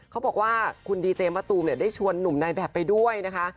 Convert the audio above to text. เขาบอกว่าคุณดีเจมะตูมได้ชวนหนุ่มนายแบบไปด้วยนะคะ